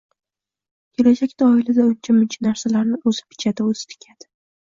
Kelajakda oilada uncha-muncha narsalarni o‘zi bichadi, o‘zi tikadi.